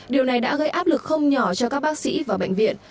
điều này đã gây áp lực không nhỏ cho các bác sĩ và bệnh viện